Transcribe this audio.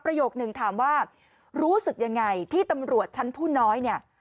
โยคนึงถามว่ารู้สึกยังไงที่ตำรวจชั้นผู้น้อยเนี่ย